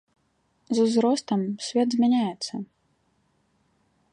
З узростам свет змяняецца.